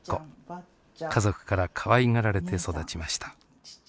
家族からかわいがられて育ちました。